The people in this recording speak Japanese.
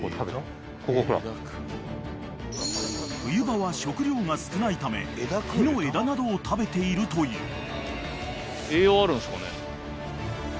［冬場は食料が少ないため木の枝などを食べているという］